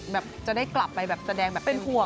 แบบจะได้กลับไปแบบแสดงแบบเป็นห่วง